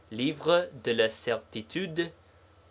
_Livre de la Certitude.